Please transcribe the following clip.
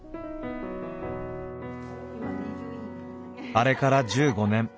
あれから１５年。